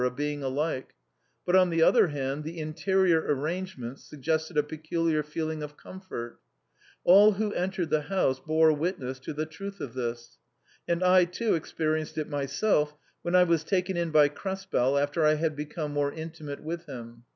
being alike, but on the other hand the interior arrangements suggested a peculiar feeling of comfort All who entered tlie house bore witness to the truth of this ; and I too experienced it myself when I was taken in by Krespel after I had be come more intimate with him.